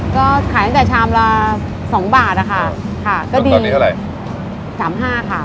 ก็ขายตั้งแต่ชามละสองบาทอะค่ะค่ะก็ดีวันนี้เท่าไหร่สามห้าค่ะ